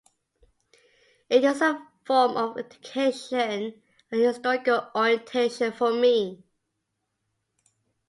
It is a form of education and historical orientation for me.